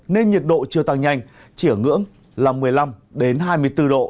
nên nhiệt độ chưa tăng nhanh chỉ ở ngưỡng là một mươi năm hai mươi bốn độ